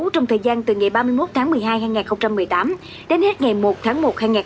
trong thời gian từ ngày ba mươi một tháng một mươi hai hai nghìn một mươi tám đến hết ngày một tháng một hai nghìn hai mươi